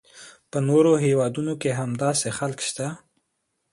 په نورو هیوادونو کې هم داسې خلک شته.